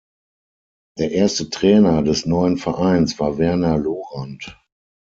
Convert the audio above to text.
Der erste Trainer des neuen Vereins war Werner Lorant.